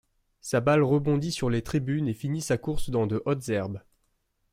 Sa balle rebondit sur les tribunes et finit sa course dans de hautes herbes.